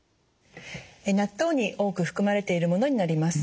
納豆に多く含まれているものになります。